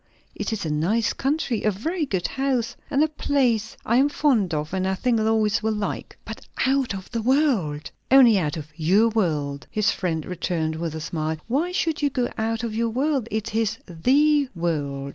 "It is a nice country, a very good house, and a place I am fond of, and I think Lois will like." "But out of the world!" "Only out of your world," his friend returned, with a smile. "Why should you go out of our world? it is the world."